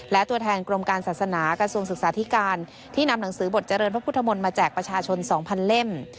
และตัวแทนกรมการศาสนากระทรวงศึกษาธิการที่นำหนังสือบทเจริญพระพุทธมนต์มาแจกประชาชน๒๐๐เล่ม